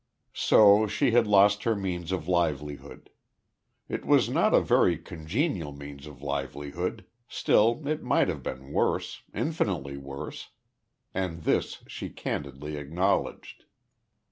So she had lost her means of livelihood. It was not a very congenial means of livelihood, still it might have been worse infinitely worse and this she candidly acknowledged.